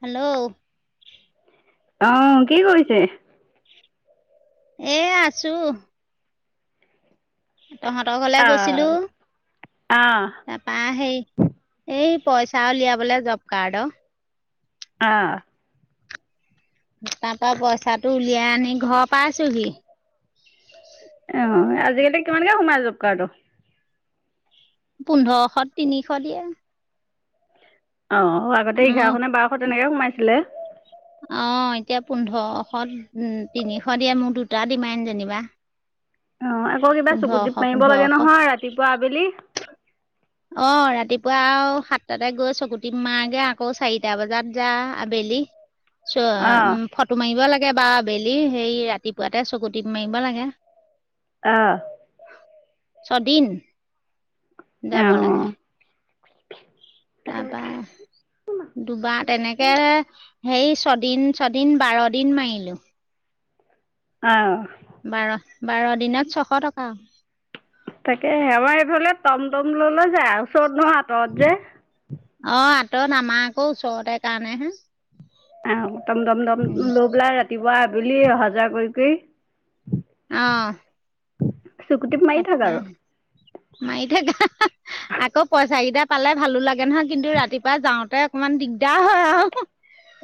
Hello অহ কি কৰিছে এ আছো তহঁতৰ ঘলে গৈছিলোঁ অ' অ' তাৰপা সেই এই পইচা উলিয়াবলে জব কাৰ্ড অ অহ তাৰ পৰা পইচাটো উলিয়াই আনি ঘৰ পাইছোহি অহ আজিকালি কিমানকে সোমাই জব কাৰ্ডৰ পোন্ধৰশত তিনিশ দিয়ে অ আগতে উম এঘাৰশ নে বাৰশ তেনেকে সোমাইছিলে অ এতিয়া পোন্ধৰশ তিনিশ দিয়ে মোক দুটা দিমাই যেনিবা অ আকৌ কিবা পোন্ধৰশ চকুতি মাৰিব লাগে পোন্ধৰশ নহয় ৰাতিপুৱা আবেলি অ ৰাতিপুৱা আৰু সাতটাতে গৈ চকুটি মাৰগে আকৌ চাৰিটা বজাত যা আবেলি চ অ' উ ফটো মাৰিব লাগে কেইবাৰ আবেলি সেই ৰাতিপুৱাতে চকুতি মাৰিব লাগে। অহ ছদিন যাব লাগে। অ' তাৰপা দুবাৰ তেনেকে। সেই ছদিন ছদিন বাৰ দিন মাৰিলোঁ। অহ। বাৰ দিনত ছশ টকা। তাকে আমাৰ এইফালে টমটম লৈ লৈ যায় ওচৰত নহয় আতৰত যে। অ আঁতৰত আমাৰ আকৌ ওচৰতে কাৰণে হে। আহ টম টম টম লৈ পেলাই ৰাতিপুৱা আবেলি অহা যোৱা কৰি কৰি - অ চুকুটত মাৰি থাক তাকে আৰু মাৰি থাকা [unintelligible] আকৌ পইচা কেইটা পালে ভালো লাগে নহয় কিন্তু ৰাতিপুৱা যাওঁতে অকনমান দিগদাৰ হয় আৰু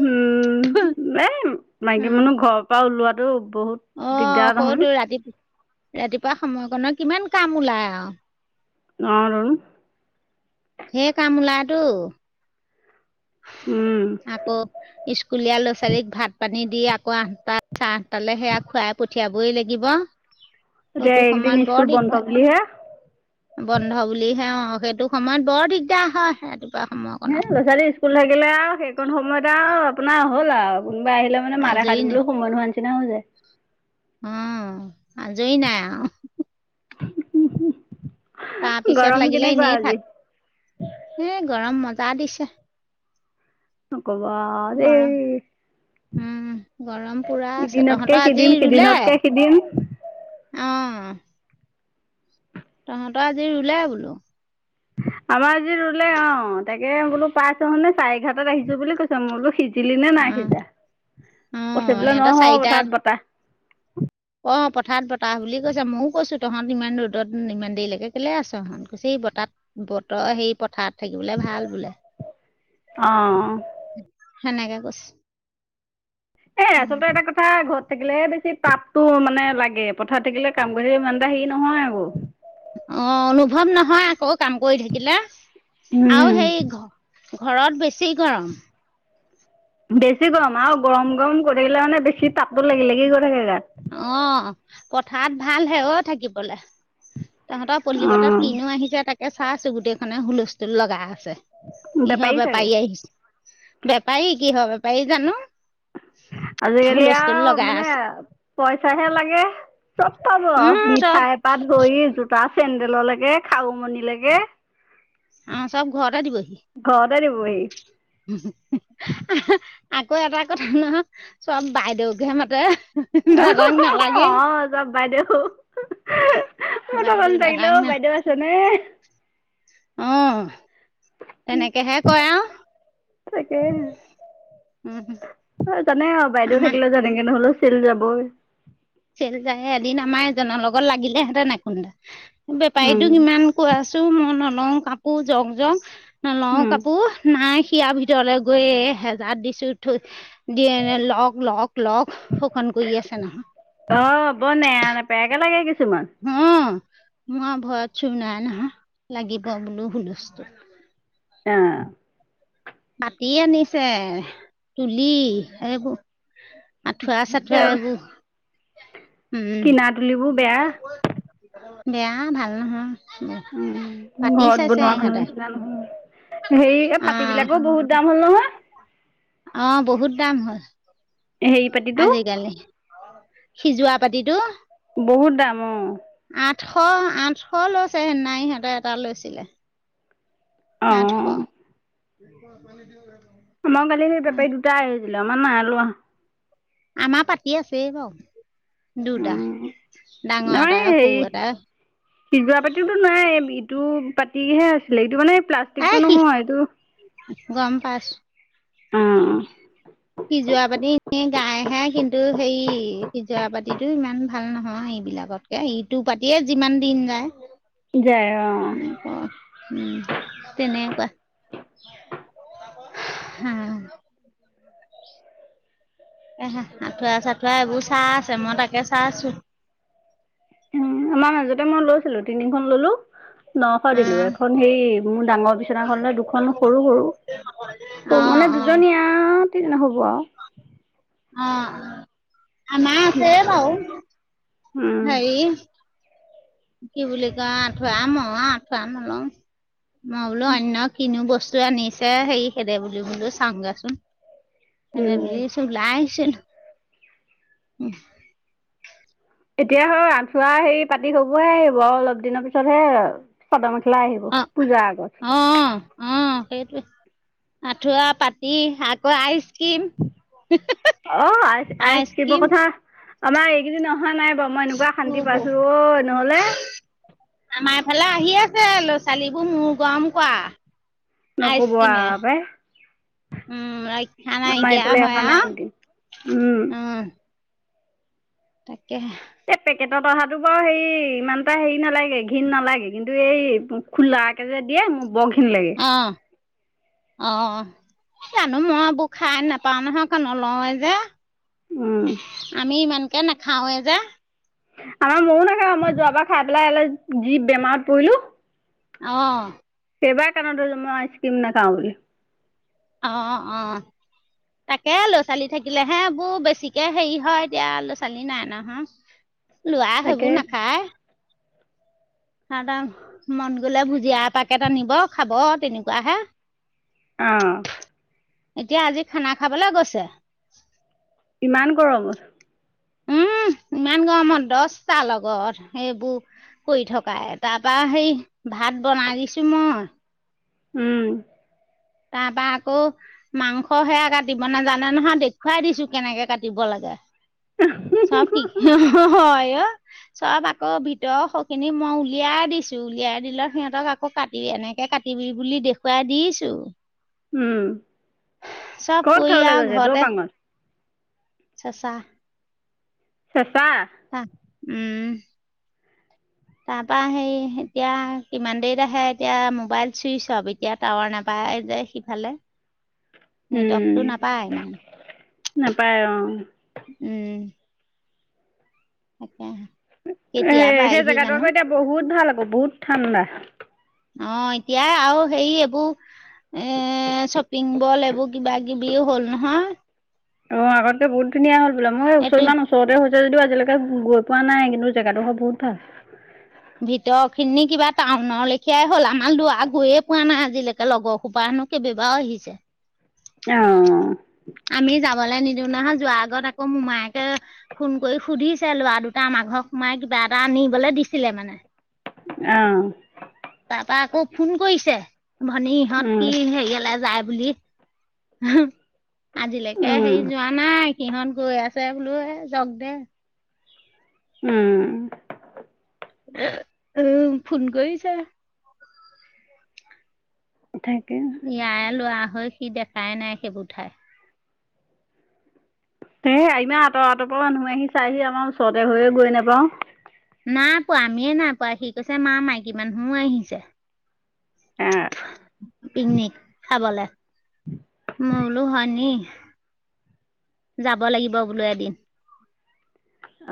উম এই মাইকী মানুহ ঘৰৰ পৰা ওলোৱাটো। বহুত আহ দিগদাৰ নহয়। সতো ৰাতি ৰাতিপুৱা সময়কণত কিমান কাম ওলাই আৰু ন দোন। ধেই কাম ওলাটো। উম আকৌ স্কুলীয়া ল'ৰা ছোৱালীক ভাত পানী। দি আকৌ আঠটা, চাৰে আঠটালে সেয়া খুৱাই পঠিয়াবই লাগিব। এতিয়া সতো এইকেইদিন সমান স্কুল বৰ বন্ধ বুলিহে দিগদাৰ বন্ধ বুলিহে অ। অ সেইটো সময়ত বৰ দিগদাৰ হয় সেই। হে ল'ৰা ছোৱালী স্কুল থাকিলে আৰু সেইকণ সময়ত আৰু আপোনাৰ হ'ল আৰু কোনোবা আহিলে মানে মাত এখা আজৰি সময় নোহোৱা নিচিনা হৈ যায়। অ আজই নাই। উম উম। তাৰপিছত লাগিলে এনেই থাক [unintelligible] এ গৰম মজা দিছে। গবা দেই। গৰম উম গৰম পুৰা আছে ইদিনতকে তহঁতৰ আজি সিদিন ৰুলে। সিদিনতকে সিদিন অ। তহঁতৰ আজি ৰুলে বোলো। উ [unintelligible] আমাৰ আজি ৰুলে অ তাকে বোলো পাইছহুে চাৰে অঘৰতাত আহিছো বুলি কৈছো মই বোলো সিজ। লি নে নাই অঁ সিজা পচি অঁ পলৈ সিহঁতৰ নহ পথাৰত বতাহ। অ পথাৰত বতাহ বুলি কৈছে ময়ও কৈছো। তহঁত ইমান ৰ'দত ইমান দেৰিলৈকে কেলে আছ তহঁত কুছে বতাত বতৰ সেই পথাৰত থাকিবলৈ। ভাল বোলে। অ হেনেকে কৈছে। এ উম আচলতে এটা কথা ঘ থাকিলে বেছি তাপটো মানে লাগে পথাৰত থাকিলে কাম কৰি ইমানটা হেৰি নহয় আকৌ। অ অনুভৱ নহয় আকৌ কাম কৰি থাকিলে আৰু সেই উম ঘ ঘৰত বেছি গৰম। বেছি গৰম আৰু গৰম গৰম কৰি থাকিলে মানে বেছি তাপটো লাগি লাগি গৈ থাকে গাত। অ পথাৰত ভাল হে অ থাকিবলৈ। তহঁতৰ প্লি অ বতাত কিনো আহি য যে তাকে চাইছো গুটেইখনে হুলস্থুল লগা আছে। ইহৰ বেপাৰী আহিছ বেপাৰী কিহৰ বেপাৰী জানো। আজিকালি হুলস্থুল আৰু লগাই মানে। আছে পইচাহে লাগে চব পাব উম চব মিঠাই এপ ধৰি জোতা চেন। তেডেলৰ লাগে খাওমনি লাগে। অ' চব ঘৰত দিব সি দিবহি আ আকৌ এটা কথা নহ চব বাইদেউকহে মাতে দাদাক নালাগেই অ' সব বাইদেউ। স ত গম বাইদেউ দাদাক লাগিলেও বাইদেউ আছেনে? আহ তেনেকেহে কয় আৰু তাকে উম জানে আৰু বাইদেউ আমাৰ থাকিলে জানেগে নহ'লেও চেল যাব। চেল যাই এদিন আমাৰ এজনৰ লগত লাগিলে হেহতে নখুন্দা উম বেপাৰীতো কিমান কোৱা মই নলওঁ কাপোৰ যক জক নলওঁ উম কাপোৰ নাই। শিয়াৰ ভিতৰলৈ গৈ হেজাৰ দিছো। থ দিয়ে ল লগ লগ ফুখন গৈ আছো নহয় অ' ব নেৰা নেপেয়াকে লাগে গ হম মই ভয়ৰত চো নাই নহয়। লাগিব বোলো হুলস্থল আহ মতি আনিছে তুলি এইবোৰ আঁঠুৱা চাঠুৱা এইবোৰ উম কিনা তুলিবোৰ বেয়া বেয়া ভাল নহয়। উম পাতি ঘৰত চাইছে বনোৱাখন ইহঁতে নিচিনা নহয়। হেৰি অ পাতি বিলাকো বহুত দাম হ'ল নহয়। অ' বহুত দাম হ'ল। হেৰি পাতিটো আজিকালি সিজোৱা পাতিটো বহুত দাম অ' আঠশ, আঠশ লৈছে সিনা সিহঁতেৰ এটা লৈছিলে। অ আঠশ। আমাও কালি সি বেপাই দুটা আহিছিলে, আমাৰ নাই লোৱা। আমাৰ পাতি আছে বাও। দুটা, উম ডাঙৰ নাই এটা আৰু হেৰি সৰু এটা। টো পাতিহে আছিলে, এইটো মানে এ প্লাষ্টিকটো সি নহয়, এইটো, গম পাইছো অ ' সিজোৰা পাতি এনে গাইহে, কিন্তু সেই সিজৰা পাতিটো ইমান ভাল নহয়। [inaudible] ইবিলাকতকে, ইটো পাতিয়ে যিমান দিন যায়। যায় অ উম ক' উম তেনেকুৱা হম এহ, আঁঠুৱা-চাঠুৱা এইবোৰ চাই আছে, মই তাকে চাই আছো। উম আমাৰ মাজতে মই লৈছিলো। তিনিখন ললো। নশ অ দিলো, এখন হেৰি মোৰ ডাঙৰ বিচনাখন লৈ দুখন সৰু সৰু। অ মানে দুজনীয়া আৰু তিনি হ'ব আৰু। অ' আমাৰ ন আছে বাও। উম হেৰি কি বুলি কয় আঠুৱা ম আঁঠুৱা নলওঁ, মই বোলো অন্য কিনো বস্তু আনিছে হেৰি হেদে বুলি বোলো চাওঁগেচোন। হেদে উম বুলি ওলাই আহিছো। উম এতিয়া হয় আঠুৱা হেৰি পাতি হবোয়ে আহিব, আৰু অলপ দিনৰ পিছতহে চাদমেখে খলাই আহিব, অ পূজা আগত। সেইটো, আঁঠুৱা, পাতি আকৌ আইচ অ' আই আইছকিম আইচক্ৰীম কথা আমাৰ এইকেইদিন নহ অহা নাই বাৰু, মই এনেকুৱা শান্তি পাইছো অ নহলে আমাৰফালে আহি আছে ল'ৰা-ছোৱালীবোৰ মূৰ গৰম কৱা। নকব আও পাই। উম ৰক্ষা আমাৰ নাইকিয়া এইফালে হয় অহা নাই আৰু এদিন। উম তাকেহে এ পেকেটত অহাটো বাৰু হেৰি ইমানটা হেৰি নালাগে ঘিণ নালাগে কিন্তু এই খোলা কাকে যে দিয়ে, মোৰ বৰ ঘৃণ লাগে। অ অ জানো মইবোৰ খাই নোপাও নহয়, কা লওঁয়ে যে উম, আমি ইমানকে নাখাওয়ে যে। আমাৰ ময়ো নাখাও মই যোৱাবাৰ খাই পেলাই যি বেমাৰত পৰিলো। অহ সেইবাৰে কাণত ধৰিছো মই আছকিম নাখাওঁ বুলি। অ অ তাকে ল'ৰা-ছোৱালী থাকিলে হে এইবোৰ বেছিকে হেৰি হয়, এতিয়া ল'ৰা-ছোৱালী নাই নহয়। লোৱায়ে তাকে সেইবোৰ নাখায়। তাত মন গ'লে ভুজিয়া এপেকেট নিব খাব তেনেকুৱাহে। অহ এতিয়া আজি খানা খাবলৈ গৈছে। ইমান গৰমত। উম ইমান গৰমত দছটা লগত সেইবোৰ কৰি থকাই, তাৰপা সেই ভাত বনাই দিছো মই। উম তাৰপা আকৌ, মাংস সেয়া কাটিব নাজানে নহয় দেখুৱাই দিছো কেনেকে কাটিব লাগে। চব কি হু হয়। চব আকৌ ভিতৰৰ সখিনি মই উলিয়াই দিছো, উলিয়াই দিলত সিহঁতক আকৌ কাটি কেনেকে কাটিবি বুলি দেখুৱাই দিছো উম, চব ক'ত কৰি খাবলৈ আৰু গৈছে ঘৰতে দৌপাঙত চেঁচা চে অ উম [unintelligible] তাৰ পা সেই এতিয়া কিমান দেৰিত আহে এতিয়া মোবাইল চুইচ অফ এতিয়া টাৱাৰ নাপ পাই যে সিফালে উম, নেটৱৰ্কটো নাপায় ইমান নাপায় অঁ উম তাকে এ কেতিয়া সেই পায়হি জেগাটো জানো আকৌ এতিয়া বহুত ভাল আকৌ বহুত ঠাণ্ডা অ এতিয়া আৰু হে এইবোৰ এ শ্বপিং বল এইবোৰ কিবা কিবি হ'ল নহয় অ আগতে বহুত ধুনীয়া হল বলা মই এইটো ওচৰমান ওচৰতে হৈ হৈছে যদিও আজিলৈকে গৈ পোৱা নাই কিন্তু জেগা টোহে বহুত ভাল ভিতৰ খিনি কিবা টাউনৰ লেখিয়াই হ'ল আমাৰ দৰা গৈয়ে পোৱা নাই আজিলৈকে লগৰ সোপাৰ কেইবা বা আহিছে অহ যাবলে নিদিওঁ নহয় যোৱাৰ আগত আকৌ মোমায়েকে ফোন কৰি সুধিছে লৰা দুটাৰ আমা ঘৰত সোমাই কিবা ত এটা আনিবলৈ দিছিলে মানে অহ তাৰপা আকৌ ফোন কৰিছে ভনী ইহঁত কি হেৰিয়ালে যায় বুলি আজিলৈকে হেৰি যোৱা নাই সিহঁত গৈ আছে বোলো এ যক দে উম উম ফোন কৰিছে থেংক ইউ ইয়াই লৰা হৈ সি দেখাই নাই সেইবোৰ ঠাই এ ইমান আঁতৰ আঁতৰ পৰা মানুহ আহিছে চাইহি আমাৰ ওচৰতে হৈয়ো গৈ নেপাও নাই পোৱা আমিয়ে নাইাপোৱা সি কৈছে মা মাইকী মানুহো আহিছে পিকনিক খাবলে মোৰ বোলো হয় নি যাব লাগিব বোলো এদিন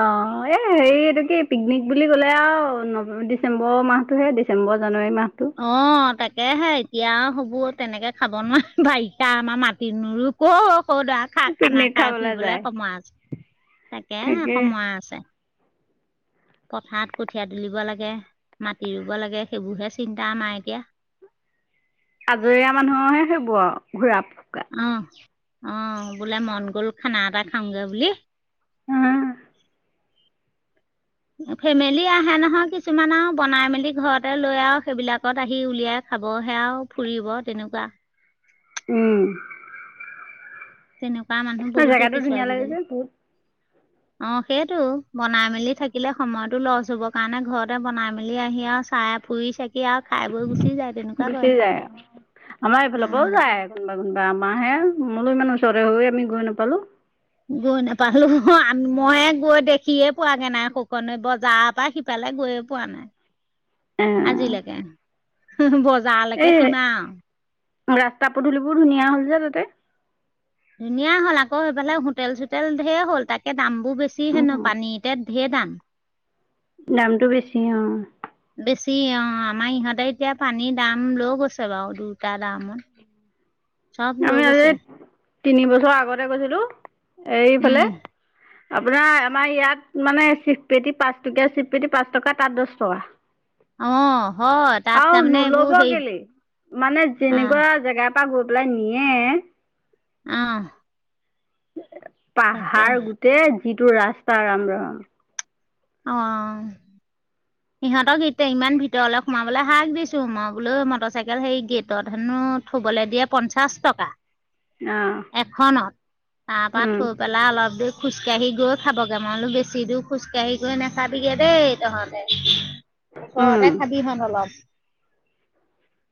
অ এই হেৰি এইটো কি পিকনিক বুলি কলে আৰু নৱেম ডিচেম্বৰ মাহতটোহে ডিচেম্বৰ জানুৱাৰী মাহটো অ তাকেহে এতিয়া আৰু হ'ব তেনেকৈ খাব নোৱাৰে বাৰিষা আমাৰ মাটি নৰো কওক সৌ দৰা খা খানা পিকনিক খাই খাবলৈ ফুৰিবলে যায় সময় আছে তাকে তাকে সময় আছে পথাৰত কঠীয়া তুলিব লাগে মাটি ৰুব লাগে সেইবোৰহে চিন্তা আমাৰ এতিয়া আজৰিয়া মানুহৰহে সেইবোৰ আৰু ঘোৰা অ অ বোলে মন গ'ল খানা এটা খাওঁগৈ বুলি হম ফেমেলি আহে নহয় কিছুমান আৰু বনাই মেলি ঘৰতে লৈ আৰু সেইবিলাকত আহি উলিয়াই খাব সেও ফুৰিব তেনেকুৱা উম তেনেকুৱা মানুহ বহুত জেগাটো দেখিছো ধুনীয়া আজিকালি লাগিছে বহুত অ সেইটো বনাই মেলি থাকিলে সময়তো লছ হব কাৰণে ঘৰতে বনাই মেলি আহি আৰু খাই ফুৰি চাকি আৰু খাই বৈ গ গুচি যায় আমাৰ এইফালৰ পৰাও যায় কোনোবা বা আমাহে মোলৈ ইমান ওচৰে হৈয়ে আমি গৈ নাপালো গৈ নোপালো মইে গৈ দেখিয়ে পোৱাগে নাই সুকন বজাৰ পৰা সিফালো [unintelligible] গৈয়ে পোৱা এ নাই আজিলৈকে বজাৰলৈকে এই সিমা আউ ৰাস্তা পদূলিবোৰ ধুনীয়া হ'ল যে তাতে। ধুনীয়া হ'ল আকৌ সেইফালে হোটেল চোটেল ঢেৰ হ'ল তাকে দাম। কবোৰ বেছিহেনো উম, পানী এতিয়া ঢেৰ দাম। দামটো বেছি অ। বেছি অ আমাৰ ইহঁতে এতিয়া পানীৰ দাম লৈ গৈছে বাৰু দুটা দামত। উম চব লেই গৈছে। তিনি বছৰ আগতে গৈছিলো এইফালে। উম আপোনাৰ আমাৰ ইয়াত মানে চিপপেটি পাঁচ টকীয়া চিপেটি পাঁচ টকা তাত দহ টকা। অ হয় তাত আৰু তাৰমানে এইবোৰ নলব হেৰি গলে মানে অ যেনেকুৱা জেগা। তাৰ গবল নিয়ে। আহ পাহাৰ গোটেই যিটো ৰাস্তা ৰাম ৰম। অ সিহঁতক এতিয়া ইমান ভিতৰলৈ সোমাবলৈ হাক দিছো মই বোলো মটৰ চাইকেল হেৰি গেটত হেনো। থবলৈ দিয়ে পঞ্চাশ টকা। অ এখনত তাৰ পৰা উম থৈ পেলাই অলপ দে। খোজকাাঢ়ি গৈ খাবগে মইলো বেছি দূৰ খোজকাাঢ়ি গৈ নাখাবিগে দেই তহঁতে। উম ওচৰতে খাবি হন অলপ।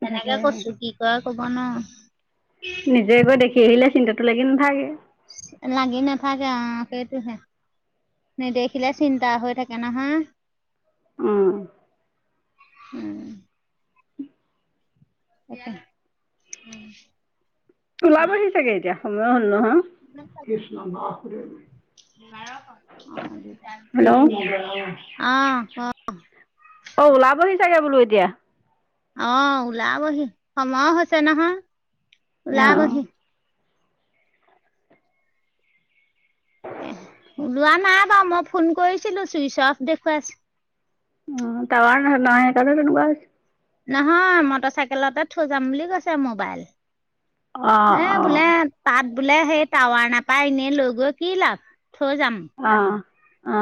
তেনেকে তাকে কছো কি ক কব ন। নিজে গৈ দেখি আহিলে চিন্তাটো লাগি নাথাকে? লাগি না থাকাকে কেইটোছে? নেদেখিলে চিন্তা হৈ থাকে নহয়। আহ হম এটা উ। ওলাবহি চাগে এতিয়া সময় হ'ল নহয় কৃষ্ণ। অ আহ হেল্ল' ক। অ ওলাবহি চাগে বোলো এতিয়া। অ ওলাবহি সময় হৈছে নহয় অ ওলাবহি? এ ওলোৱা নাই বাৰু মই ফোন কৰিছিলো চুইচ অফ দেখুৱাইছ? উম ত হ ন কে তন গছ। নহয় মটৰ চাইকেলতে থৈ যাম বুলি কৈছে মোবাইল? অ এ অ বোলে পাত। বোলে সেই টাৱাৰ নাপায় এনেই লৈ গৈ কি লাভ থৈ যাম। অ অ